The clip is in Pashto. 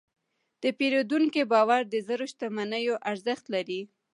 د پیرودونکي باور د زر شتمنیو ارزښت لري.